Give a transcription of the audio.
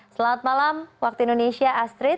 selamat malam waktu indonesia astrid